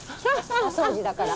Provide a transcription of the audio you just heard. お掃除だから。